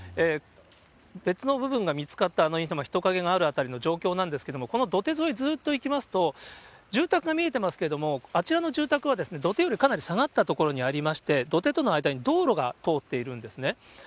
別の部分が見つかった人影がある辺りの状況なんですけれども、この土手沿いずっと行きますと、住宅が見えてますけども、あちらの住宅は、土手よりかなり下がった所にありまして、土手との間に道路が通っているんですね。